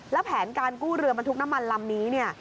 แล้วแผนการกู้เรือบรรทุกน้ำมันลำนี้เนี่ย